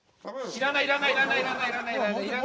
要らない要らない。